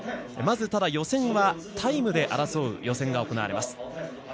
まずタイムで争う予選が行われます。